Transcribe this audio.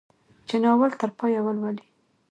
چې ناول تر پايه ولولي.